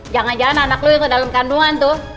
jangan jangan anak lo yang kedalam kandungan tuh